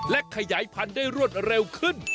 และขยายพันธุ์ได้รวดเร็วขึ้น